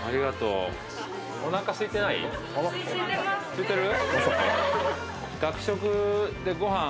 すいてる？